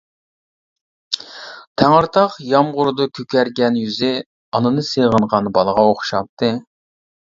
تەڭرىتاغ يامغۇردا كۆكەرگەن يۈزى، ئانىنى سېغىنغان بالىغا ئوخشامتى.